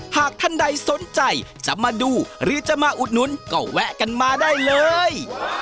หากท่านใดสนใจจะมาดูหรือจะมาอุดหนุนก็แวะกันมาได้เลย